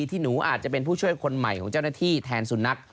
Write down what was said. ที่หนูอาจจะเป็นผู้ช่วยคนใหม่ของเจ้าหน้าที่แทนสุนัข